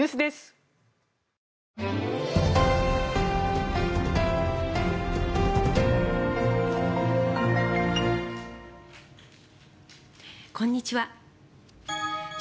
こんにちは。